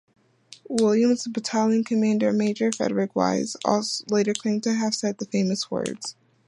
Williams' battalion commander, Major Frederic Wise, later claimed to have said the famous words.